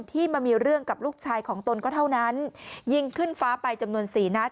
ที่มามีเรื่องกับลูกชายของตนก็เท่านั้นยิงขึ้นฟ้าไปจำนวนสี่นัด